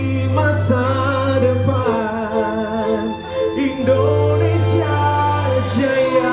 di masa depan indonesia jaya